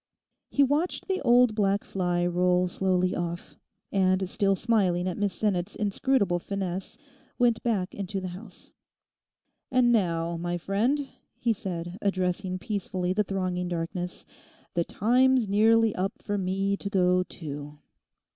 He watched the old black fly roll slowly off, and still smiling at Miss Sinnet's inscrutable finesse went back into the house. 'And now, my friend,' he said, addressing peacefully the thronging darkness, 'the time's nearly up for me to go too.